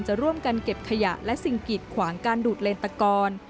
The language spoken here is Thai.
จะร่วมกันเก็บขยะและสิ่งกีดขวางการดูดเลนตะกอน